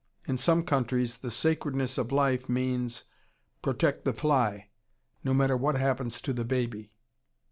In some countries the "sacredness of life" means, Protect the fly, no matter what happens to the baby.